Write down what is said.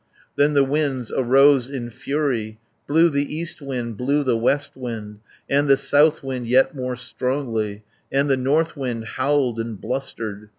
Then the winds arose in fury, Blew the east wind, blew the west wind, And the south wind yet more strongly, And the north wind howled and blustered.